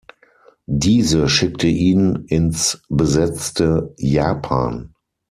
Diese schickte ihn ins besetzte Japan.